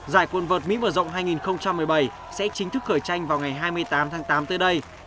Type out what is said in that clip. giải quân vật mỹ mở rộng hai nghìn một mươi bảy sẽ chính thức khởi tranh vào ngày hai mươi tám tháng tám tới đây